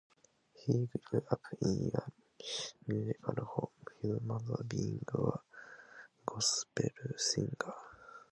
He grew up in a musical home, his mother being a gospel singer.